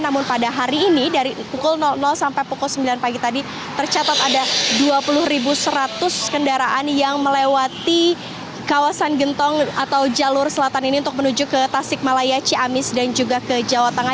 namun pada hari ini dari pukul sampai pukul sembilan pagi tadi tercatat ada dua puluh seratus kendaraan yang melewati kawasan gentong atau jalur selatan ini untuk menuju ke tasik malaya ciamis dan juga ke jawa tengah